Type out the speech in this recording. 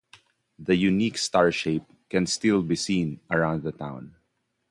The unique star shape can still be seen around the town.